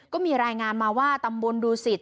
ก็มีรายงานมาว่าตำบลดูสิต